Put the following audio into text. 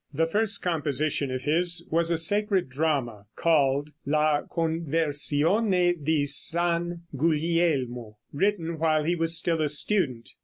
The first composition of his was a sacred drama called "La Conversione di St. Guglielmo," written while he was still a student.